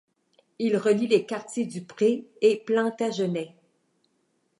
Il relie les quartiers du Pré et Plantagenêt.